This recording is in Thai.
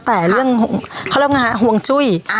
แต่เรื่องเขาเรียกว่าห่วงจุ้ย